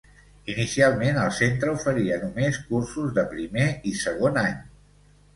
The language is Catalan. Inicialment, el Centre oferia només cursos de primer i segon any.